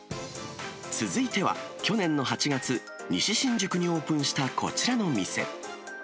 続いては、去年の８月、西新宿にオープンしたこちらの店。